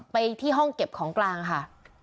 ไปที่ห้องเก็บของกลางค่ะ